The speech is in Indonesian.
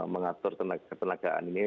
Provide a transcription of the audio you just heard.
mengatur tenaga tenagaan ini